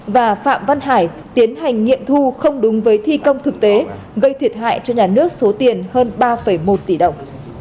và phạm văn hải tiến hành nghiệm thu không đúng với thi công thực tế gây thiệt hại cho nhà nước số tiền hơn ba một tỷ đồng